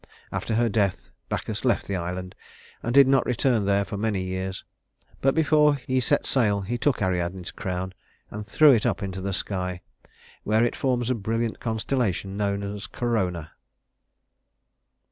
After her death Bacchus left the island, and did not return there for many years; but before he set sail he took Ariadne's crown and threw it up into the sky, where it forms a brilliant constellation known as Corona.